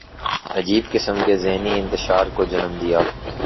عجیب قسم کے ذہنی انتشار کو جنم دیا۔